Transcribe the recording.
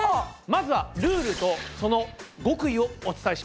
まずはルールとその極意をお伝えします！